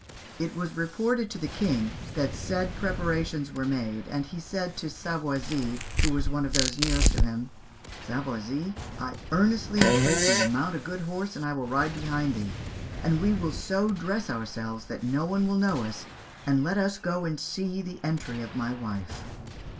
It was reported to the King that the said preparations were made, and he said to Savoisy, who was one of those nearest to him, 'Savoisy, I earnestly entreat thee to mount a good horse, and I will ride behind thee, and we will so dress ourselves that no one will know us, and let us go and see the entry of my wife.'